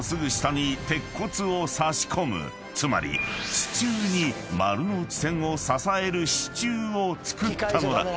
［つまり地中に丸ノ内線を支える支柱を造ったのだ］